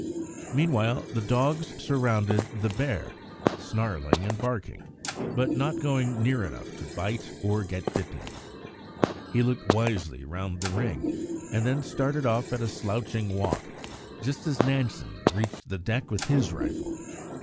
Meanwhile the dogs surrounded the bear, snarling and barking, but not going near enough to bite or get bitten. He looked wisely round the ring and then started off at a slouching walk, just as Nansen reached the deck with his rifle.